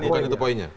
bukan itu poinnya